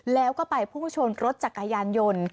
แล้วก็ไปพุ่งชนรถจักรยานยนต์